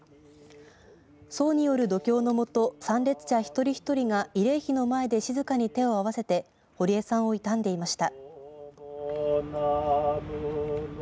僧による読経のもと参列者一人ひとりが慰霊碑の前で静かに手を合わせて堀江さんを悼んでいました。